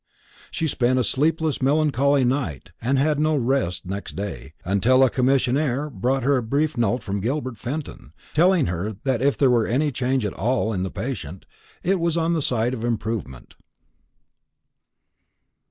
She spent a sleepless melancholy night, and had no rest next day, until a commissionnaire brought her a brief note from Gilbert Fenton, telling her that if there were any change at all in the patient, it was on the side of improvement.